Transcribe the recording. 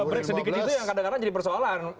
break sedikit itu yang kadang kadang jadi persoalan